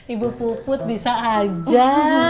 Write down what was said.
ibu puput bisa aja